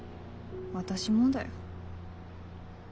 私もだよ。